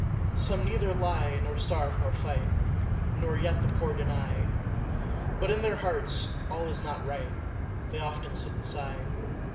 Some neither lie nor starve nor fight, Nor yet the poor deny; But in their hearts all is not right, They often sit and sigh.